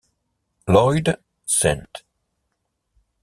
Lloyd St.